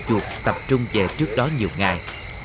để dụ chuột tập trung về trước đó nhiều ngày